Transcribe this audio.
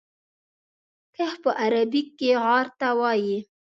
کهف په عربي کې غار ته وایي.